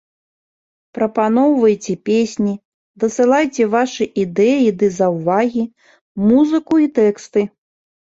Прапаноўвайце песні, дасылайце вашы ідэі ды заўвагі, музыку і тэксты.